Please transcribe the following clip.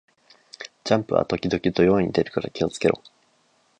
ジャンプは時々土曜に出るから気を付けろ